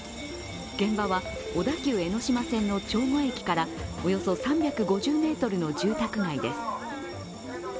現場は、小田急江ノ島線の長後駅からおよそ３５０ｍの住宅街です。